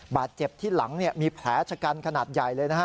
บาดเจ็บที่หลังมีแผลชะกันขนาดใหญ่เลยนะฮะ